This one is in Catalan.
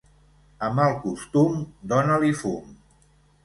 A mal costum, dona-li fum.